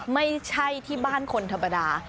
ไม่ใช่ที่บ้านคนธรรมดา